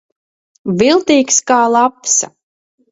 Viltīgs kā lapsa.